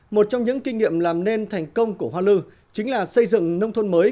một trong những kinh nghiệm làm nên thành công của hoa lư chính là xây dựng nông thôn mới